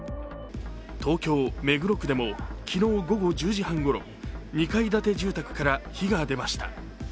東京・目黒区でも昨日午後１０時半ごろ、２階建て住宅から火が出ました。